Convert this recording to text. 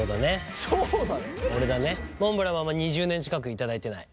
モンブランは２０年近く頂いてない。